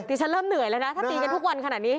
ฉันเริ่มเหนื่อยแล้วนะถ้าตีกันทุกวันขนาดนี้